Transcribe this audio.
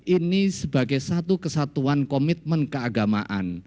ini sebagai satu kesatuan komitmen keagamaan